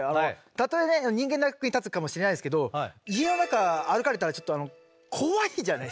たとえね人間の役に立つかもしれないですけど家の中歩かれたらちょっと怖いじゃないですか。